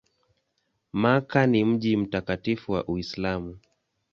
Makka ni mji mtakatifu wa Uislamu.